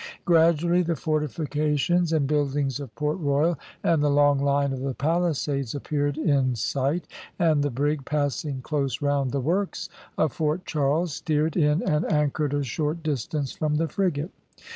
Gradually the fortifications and buildings of Port Royal and the long line of the Palisades appeared in sight, and the brig passing close round the works of Fort Charles steered in and anchored a short distance from the frigate.